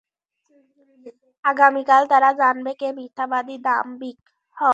আগামীকাল তারা জানবে, কে মিথ্যাবাদী, দাম্ভিক।